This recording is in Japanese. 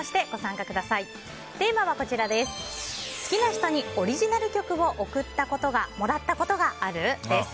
好きな人にオリジナル曲を贈ったことがあるもらったことがあるです。